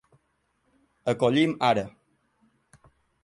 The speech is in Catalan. Acollim ara!